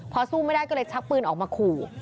พอสู้ไม่ได้ก็เลยชักปืนออกมาขู่